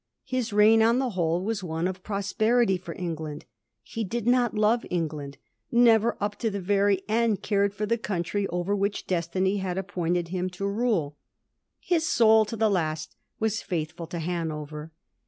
His reign, on the whole, was one of prosperity for England. He did not love England, — never, up to the very end, cared for the country over which destiny had appointed him to rule. His sonl to the last was faithful to Hanover.